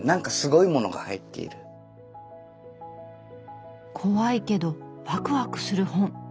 なんか怖いけどワクワクする本。